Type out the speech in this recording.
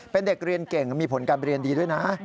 เป็นเด็กเรียนเก่งมีผลการเรียนดีด้วยนะ